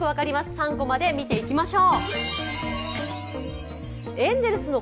「３コマ」で見ていきましょう。